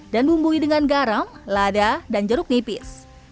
dan bumbui dengan garam lada dan jeruk nipis